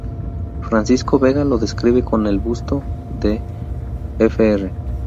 Francisco Vega lo describe con el busto de fr.